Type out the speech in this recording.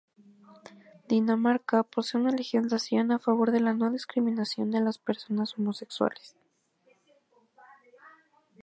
Dinamarca posee una legislación a favor de la no discriminación de las personas homosexuales.